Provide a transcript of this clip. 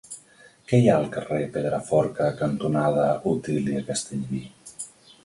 Què hi ha al carrer Pedraforca cantonada Otília Castellví?